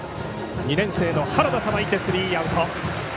２年生の原田がさばいてスリーアウト。